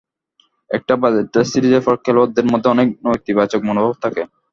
একটা বাজে টেস্ট সিরিজের পর খেলোয়াড়দের মধ্যে অনেক নেতিবাচক মনোভাব থাকে।